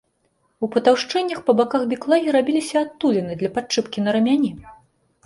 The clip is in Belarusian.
У патаўшчэннях па баках біклагі рабіліся адтуліны для падчэпкі на рамяні.